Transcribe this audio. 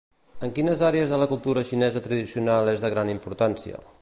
En quines àrees de la cultura xinesa tradicional és de gran importància?